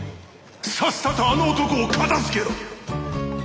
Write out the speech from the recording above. さっさとあの男を片づけろ！